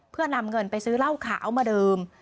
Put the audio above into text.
เพื่อนำเงินไปซื้อเหล้าขาวมาดื่ม